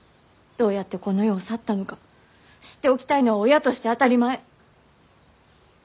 どうやってこの世を去ったのか知っておきたいのは親として当たり前。